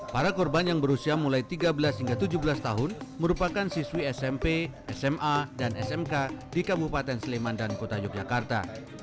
para korban yang berusia mulai tiga belas hingga tujuh belas tahun merupakan siswi smp sma dan smk di kabupaten sleman dan kota yogyakarta